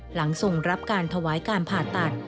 หลังส่งรับการถวายการผ่าตัด